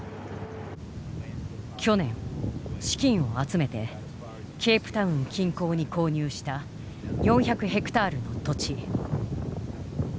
去年資金を集めてケープタウン近郊に購入した４００ヘクタールの土地。